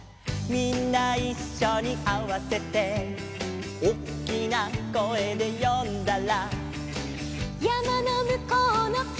「みんないっしょにあわせて」「おっきな声で呼んだら」